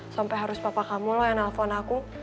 sampai harus papa kamu yang nelfon aku